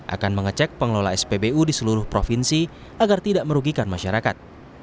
akan mengecek pengelola spbu di seluruh provinsi agar tidak merugikan masyarakat